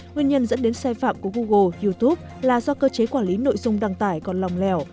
nguyên nhân dẫn đến sai phạm của google youtube là do cơ chế quản lý nội dung đăng tải còn lòng lẻo